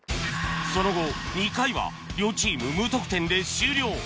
その後２回は両チーム無得点で終了